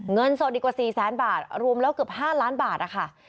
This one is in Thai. เงินสดอีกกว่า๔แสนบาทรวมแล้วเกือบ๕ล้านบาทนะคะ